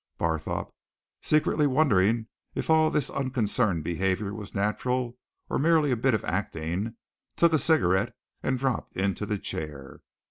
Barthorpe, secretly wondering if all this unconcerned behaviour was natural or merely a bit of acting, took a cigarette and dropped into the chair.